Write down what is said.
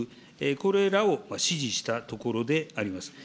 これらを指示したところであります。